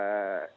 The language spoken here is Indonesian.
seperti apa itu